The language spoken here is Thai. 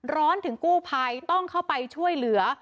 ร้อนถึงกู้ภัยต้องเข้าไปช่วยเหลือ